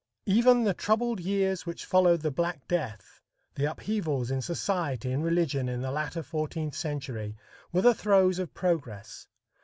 Even the troubled years which followed the black death, the upheavals in society and religion in the latter fourteenth century, were the throes of progress.